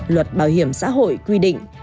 luật bảo hiểm xã hội quy định